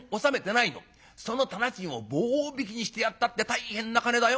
その店賃を棒引きにしてやったって大変な金だよ？